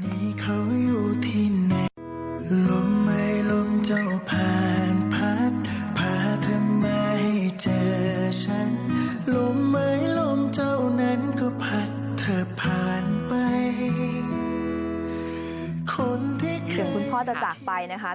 เดินคุณพ่อจะจากไปนะคะ